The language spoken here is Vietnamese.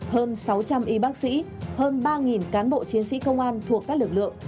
hơn sáu trăm linh y bác sĩ hơn ba cán bộ chiến sĩ công an thuộc các lực lượng